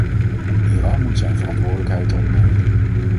Iran moet zijn verantwoordelijkheid opnemen.